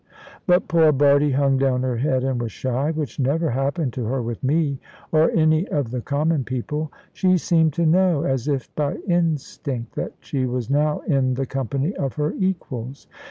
But poor Bardie hung down her head and was shy, which never happened to her with me or any of the common people; she seemed to know, as if by instinct, that she was now in the company of her equals.